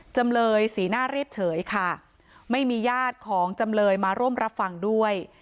จำเลยสีหน้าเรียบเฉยค่ะไม่มีญาติของจำเลยมาร่วมรับฟังด้วย